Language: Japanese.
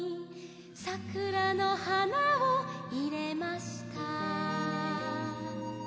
「桜の花を入れました」